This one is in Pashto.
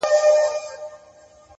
اوس به ورته ډېر ؛ډېر انـتـظـار كوم؛